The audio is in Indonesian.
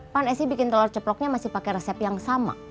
pan esy bikin telur ceploknya masih pakai resep yang sama